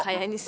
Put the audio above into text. kayak ini sih